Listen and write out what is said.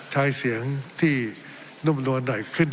ทั้งสองกรณีผลเอกประยุทธ์